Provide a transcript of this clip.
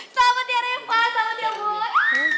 selamat ya reva selamat ya boy